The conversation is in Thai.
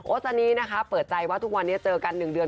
ซานีนะคะเปิดใจว่าทุกวันนี้เจอกัน๑เดือน